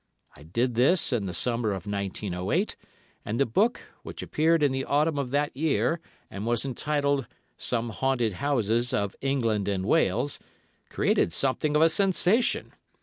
I did this in the Summer of 1908, and the book, which appeared in the Autumn of that year and was entitled "Some Haunted Houses of England and Wales," created something of a sensation.